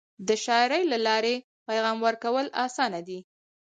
د شاعری له لارې پیغام ورکول اسانه دی.